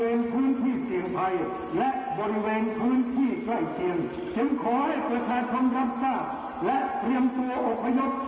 ซึ่งปพออกประกาศเตือนด่วนนะครับระดับน้ำในแม่น้ำน่านจะสูงขึ้นครับ